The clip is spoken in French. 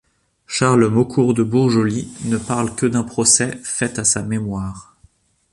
Charles Maucourt de Bourjolly ne parle que d'un procès fait à sa mémoire.